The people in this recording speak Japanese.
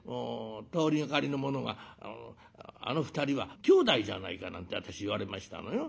通りがかりの者があの２人はきょうだいじゃないかなんて私言われましたのよ。